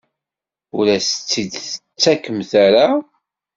Ur as-tt-id-tettakemt ara?